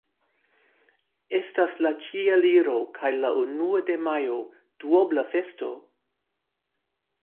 Estas la Ĉieliro kaj la unua de majo: duobla festo.